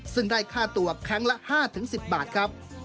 ซึ่งได้ค่าตัวครั้งละ๕๑๐บาทครับ